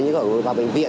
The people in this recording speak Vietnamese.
như là vào bệnh viện